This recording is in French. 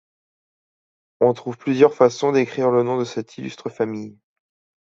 On trouve plusieurs façons d'écrire le nom de cette illustre famille.